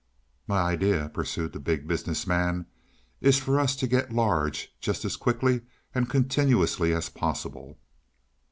"My idea," pursued the Big Business Man, "is for us to get large just as quickly and continuously as possible.